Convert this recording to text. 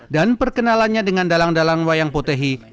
dan perkenalannya dengan dalang dalang wayang potehi